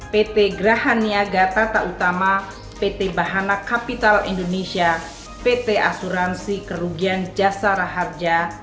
pt grahania gatata utama pt bahana kapital indonesia pt asuransi kerugian jasara harja